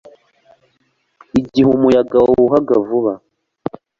igihe umuyaga wahuhaga vuba